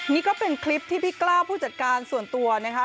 นี่ก็เป็นคลิปที่พี่กล้าผู้จัดการส่วนตัวนะคะ